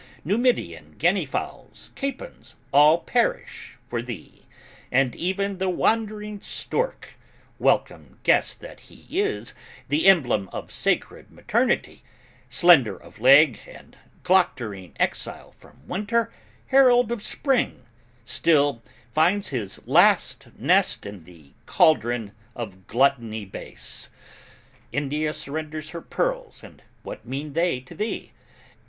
Numidian guinea fowls, capons, all perish for thee: And even the wandering stork, welcome guest that he is, The emblem of sacred maternity, slender of leg And gloctoring exile from winter, herald of spring, Still, finds his last nest in the cauldron of gluttony base. India surrenders her pearls; and what mean they to thee?